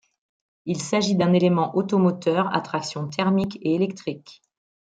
Il s'agit d'un élément automoteur à traction thermique et électrique.